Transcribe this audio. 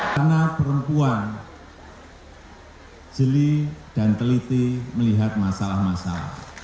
karena perempuan jeli dan teliti melihat masalah masalah